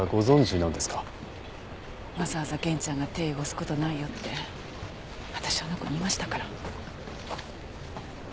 わざわざ源ちゃんが手汚す事ないよって私あの子に言いましたから。